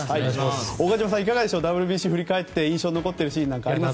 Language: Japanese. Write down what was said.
岡島さん、いかがでしょうＷＢＣを振り返って印象に残っているシーンなんかありますか？